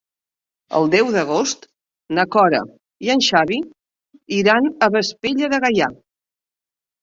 El deu d'agost na Cora i en Xavi iran a Vespella de Gaià.